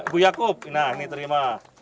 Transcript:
bu yakub nah ini terima